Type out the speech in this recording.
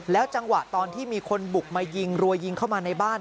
จังหวะตอนที่มีคนบุกมายิงรัวยิงเข้ามาในบ้าน